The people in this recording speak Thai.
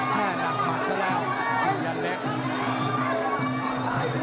แค่หนักหมัดซะแล้วสุยันเล็ก